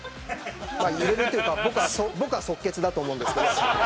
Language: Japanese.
揺れるというか僕は即決だと思うんですけど。